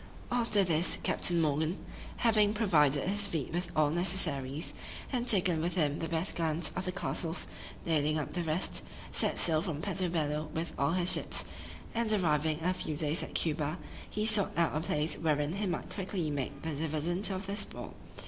After this, Captain Morgan (having provided his fleet with all necessaries, and taken with him the best guns of the castles, nailing up the rest) set sail from Puerto Bello with all his ships, and arriving in a few days at Cuba, he sought out a place wherein he might quickly make the dividend of their spoil.